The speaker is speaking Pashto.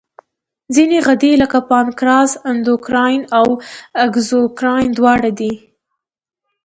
ځینې غدې لکه پانکراس اندوکراین او اګزوکراین دواړه دي.